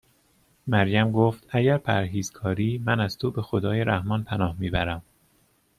مریم گفت: اگر پرهیزگاری، من از تو به خدای رحمان پناه میبرم